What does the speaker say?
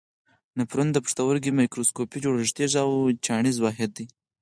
نفرون د پښتورګي میکروسکوپي جوړښتیز او چاڼیز واحد دی.